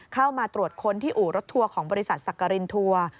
เข้ามาตรวจค้นที่อู่รถทัวร์ของบริษัทสักการินทัวร์